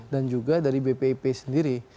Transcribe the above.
dan juga dari bpip sendiri